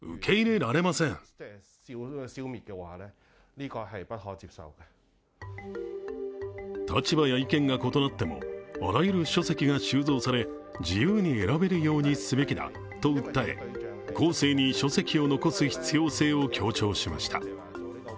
リストを作った男性は立場や意見が異なってもあらゆる書籍が収蔵され自由に選べるようにすべきだと訴え、後世に書籍を残す必要性を強調しました。